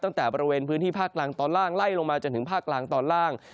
ตั้งแต่บริเวณพื้นที่ภาคกลางตอนล่างไล่ลงมาจนถึงภาคกลางตอนล่าง